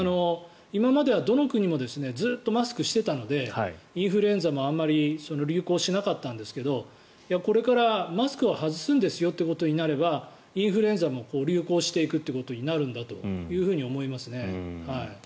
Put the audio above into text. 今まではどの国もずっとマスクをしていたのでインフルエンザもあまり流行しなかったんですけどこれからマスクを外すんですよということになればインフルエンザも流行していくということになるんだと思いますね。